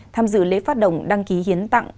tham dự lễ phát động đăng ký hiến tặng